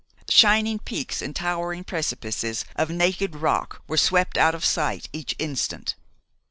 Shining peaks and towering precipices of naked rock were swept out of sight each instant.